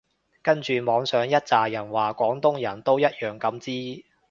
跟住網上一柞人話廣東人都一樣咁支